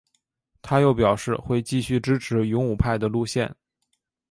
他又表示会继续支持勇武派的路线。